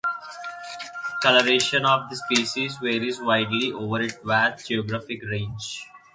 Colouration of this species varies widely over its vast geographic range.